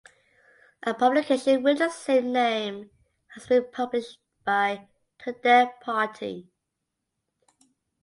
A publication with the same name has been published by Tudeh Party.